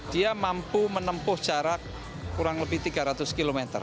dia mampu menempuh jarak kurang lebih tiga ratus km